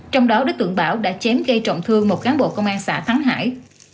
trong đó đối tượng bảo đã chém gây trọng thương một cán bộ công an xã kháng hải